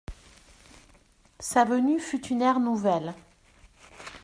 Sa venue fut une ère nouvelle.